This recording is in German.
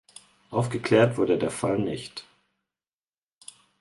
Aufgeklärt wurde der Fall nicht.